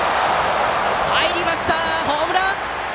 入りました、ホームラン！